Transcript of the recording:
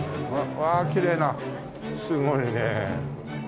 わあきれいなすごいね。